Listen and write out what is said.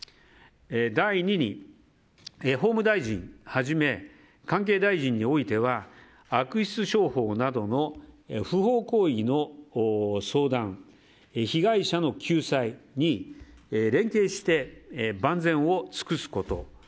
第２に、法務大臣をはじめ関係大臣においては悪質商法などの不法行為の相談被害者の救済に連携して万全を尽くすこと。